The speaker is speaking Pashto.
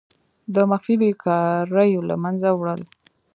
د مخفي بیکاریو له منځه وړل.